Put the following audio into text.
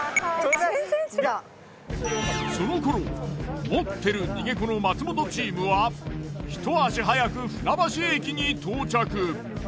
その頃もってる逃げ子の松本チームは一足早く船橋駅に到着。